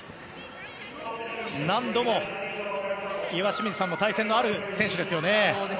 何度も岩清水さんも対戦のある選手ですよね。